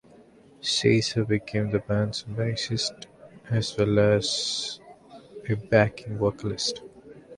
Seacer became the band's bassist, as well as a backing vocalist.